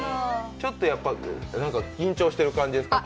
ちょっと緊張してる感じですか？